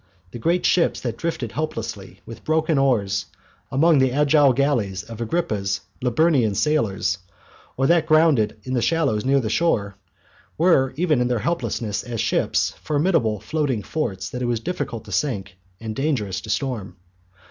The great ships that drifted helplessly, with broken oars, among the agile galleys of Agrippa's Liburnian sailors, or that grounded in the shallows nearer the shore, were, even in their helplessness as ships, formidable floating forts that it was difficult to sink and dangerous to storm.